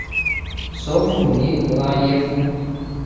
首府尼古拉耶夫。